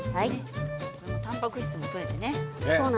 たんぱく質もとれますね。